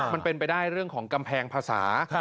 มันเป็นไปได้เรื่องของกำแพงภาษา